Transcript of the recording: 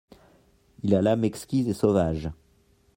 Il a l'âme exquise et sauvage.